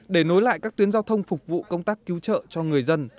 để nối lại các tuyến giao thông phục vụ công tác cứu trợ cho người dân